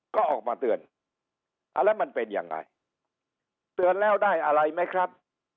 ก็ออกมาเตือนอ่าแล้วมันเป็นยังไงเตือนแล้วได้อะไรไหมครับ